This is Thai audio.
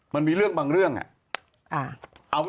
มันมีเรื่องบางเรื่องอ่ะ